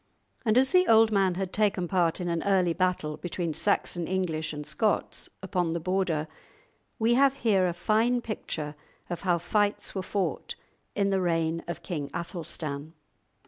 And as the old man had taken part in an early battle between Saxon English and Scots, upon the Border, we have here a fine picture of how fights were fought in the reign of King Athelstan.